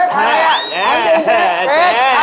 ใครอะ